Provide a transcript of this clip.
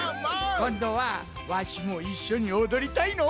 こんどはわしもいっしょにおどりたいのう！